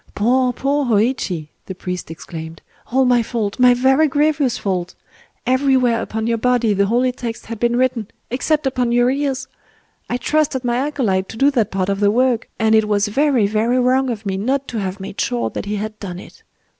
"Poor, poor Hōïchi!" the priest exclaimed,—"all my fault!—my very grievous fault!... Everywhere upon your body the holy texts had been written—except upon your ears! I trusted my acolyte to do that part of the work; and it was very, very wrong of me not to have made sure that he had done it!...